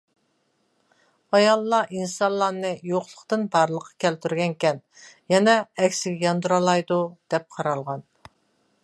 ئاياللار ئىنسانلارنى يوقلۇقتىن بارلىققا كەلتۈرگەنىكەن، يەنە ئەكسىگە ياندۇرالايدۇ دەپ قارالغان.